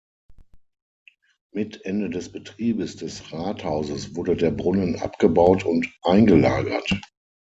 Mit Ende des Betriebes des Rathauses wurde der Brunnen abgebaut und eingelagert.